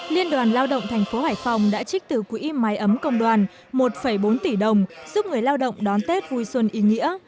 liên đoàn lao động tp hải phòng đã trích từ quỹ mái ấm công đoàn một bốn tỷ đồng giúp người lao động đón tết vui xuân ý nghĩa